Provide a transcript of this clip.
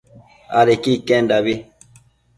adequi iquendabi